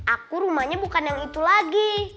aku rumahnya bukan yang itu lagi